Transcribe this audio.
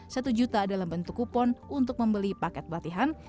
satu juta dalam bentuk kupon untuk membeli paket batihan